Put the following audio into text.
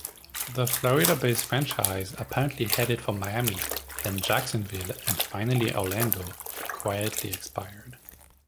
The Florida-based franchise, apparently headed for Miami, then Jacksonville and finally Orlando, quietly expired.